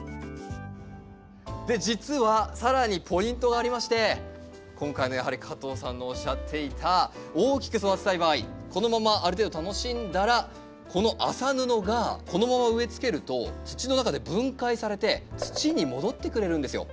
で実は更にポイントがありまして今回のやはり加藤さんのおっしゃっていた大きく育てたい場合このままある程度楽しんだらこの麻布がこのまま植えつけると土の中で分解されて土に戻ってくれるんですよ。